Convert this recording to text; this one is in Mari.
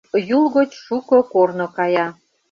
Юл гоч шуко корно кая.